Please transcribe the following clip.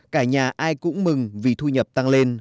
cả nhà ai cũng mừng vì thu nhập tăng lên